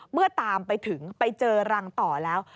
เมื่อตามไปถึงไปเจอรังต่อแล้ว